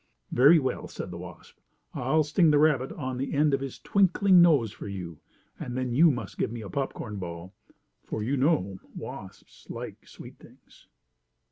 "Very well," said the wasp, "I'll sting the rabbit on the end of his twinkling nose for you, and then you must give me a popcorn ball," for you know wasps like sweet things.